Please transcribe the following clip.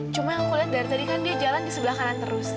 cuma yang aku lihat dari tadi kan dia jalan di sebelah kanan terus